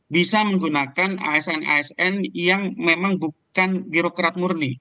bisa menggunakan asn asn yang memang bukan birokrat murni